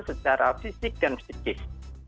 secara fisik dan psikis